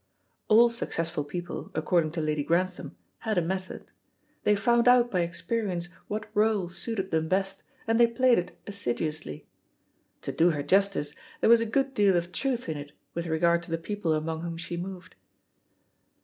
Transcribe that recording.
All successful people, according to Lady Grantham, had a method. They found out by experience what rôle suited them best, and they played it assiduously. To do her justice, there was a good deal of truth in it with regard to the people among whom she moved.